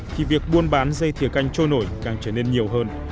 thì việc buôn bán dây thiều canh trôi nổi càng trở nên nhiều hơn